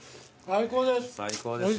最高です。